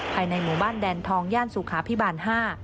ภายในหมู่บ้านแดนทองย่านสุขาพิบาล๕